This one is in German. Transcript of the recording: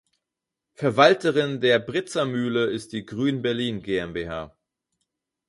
Verwalterin der Britzer Mühle ist die "Grün Berlin GmbH".